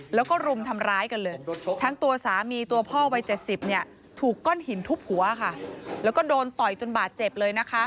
แล้วก็รุมทำร้ายกันเลยทั้งตัวสามีตัวพ่อวัย๗๐ถูกก้อนหินทุบหัวค่ะแล้วก็โดนต่อยจนบาดเจ็บเลยนะคะ